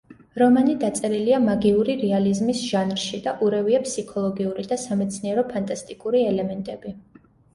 რომანი დაწერილია მაგიური რეალიზმის ჟანრში და ურევია ფსიქოლოგიური და სამეცნიერო ფანტასტიკური ელემენტები.